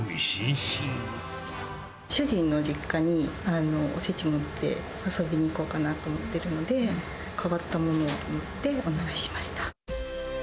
主人の実家におせちを持って遊びに行こうかなと思っているので、変わったものをと思って、お願いしました。